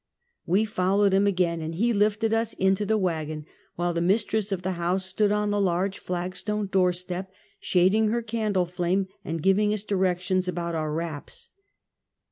"VVe followed him again, and he lifted us into the wagon, while the mistress of the house stood on the large flag stone door step, shading her candle flame, and giving directions about our wraps.